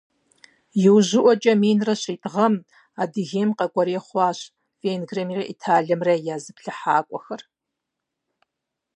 Иужьыӏуэкӏэ, минрэ щитӏ гъэхэм, Адыгейм къэкӏуэрей хъуащ Венгриемрэ Италиемрэ я зыплъыхьакӏуэхэр.